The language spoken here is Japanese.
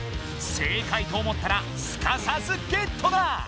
正解と思ったらすかさずゲットだ！